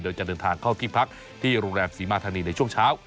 โดยจะเดินทางเข้าที่พักที่โรงแรมศรีมาธานีในช่วงเช้า